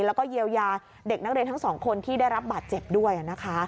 แล้วก็เยียวยาเด็กนักเรียนทั้งสองคนที่ได้รับบาดเจ็บด้วยนะคะ